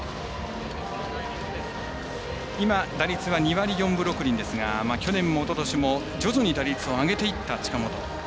今、打率は２割４分６厘ですが去年もおととしも徐々に打率を上げていった近本。